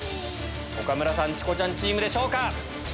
岡村さん・チコちゃんチームでしょうか？